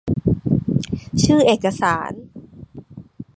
ชื่อเอกสาร